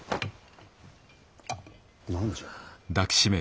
何じゃ？